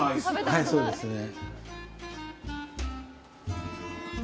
はいそうですね